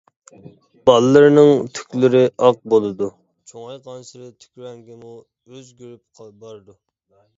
بالىلىرىنىڭ تۈكلىرى ئاق بولىدۇ، چوڭايغانسېرى تۈك رەڭگىمۇ ئۆزگىرىپ بارىدۇ.